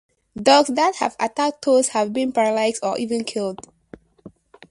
Dogs that have attacked toads have been paralyzed or even killed.